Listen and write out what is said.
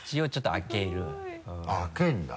開けるんだ。